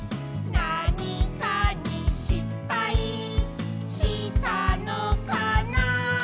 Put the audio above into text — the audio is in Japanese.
「なにかにしっぱいしたのかな」